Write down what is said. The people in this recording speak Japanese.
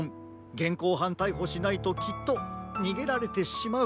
げんこうはんたいほしないときっとにげられてしまう。